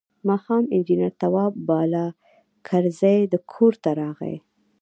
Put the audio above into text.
ماښام انجنیر تواب بالاکرزی کور ته راغی.